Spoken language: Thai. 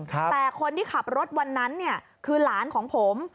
แต่คนที่ขับรถวันนั้นเนี่ยคือหลานของผม